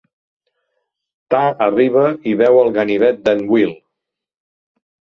Ta arriba i veu el ganivet d'en Will.